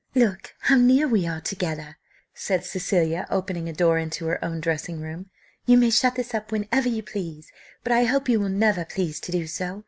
"Look how near we are together," said Cecilia, opening a door into her own dressing room. "You may shut this up whenever you please, but I hope you will never please to do so.